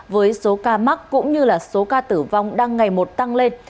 với số ca mắc cũng như là số ca tử vong đang ngày một tăng lên